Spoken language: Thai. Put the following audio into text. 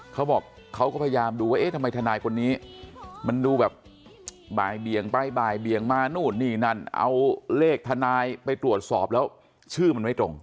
เขาบอกเขาก็พยายามดูว่าเอ๊ะทำไมทนายคนนี้มันดูแบบบ่ายเบียงไปบ่ายเบียงมานู่นนี่นั่นเอาเลขทนายไปตรวจสอบแล้วชื่อมันไม่ตรง